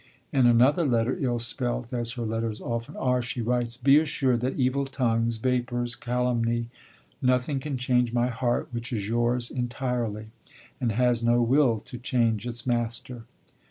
In another letter, ill spelt, as her letters often are, she writes: 'Be assured that evil tongues, vapours, calumny, nothing can change my heart, which is yours entirely, and has no will to change its master.'